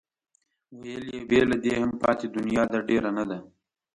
ویل یې بې له دې هم پاتې دنیا ده ډېره نه ده.